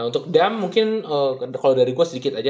nah untuk damm mungkin kalau dari gue sedikit aja